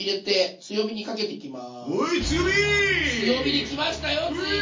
強火できましたよついに！